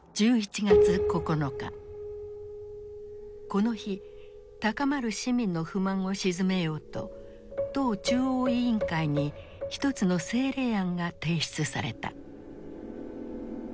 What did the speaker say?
この日高まる市民の不満を鎮めようと党中央委員会に一つの政令案が提出された。